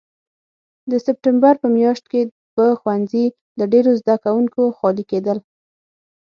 د سپټمبر په میاشت کې به ښوونځي له ډېرو زده کوونکو خالي کېدل.